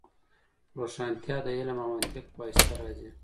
روښانتیا د علم او منطق په واسطه راځي.